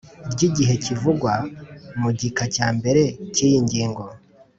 Ry igihe kivugwa mu gika cya mbere cy iyi ngingo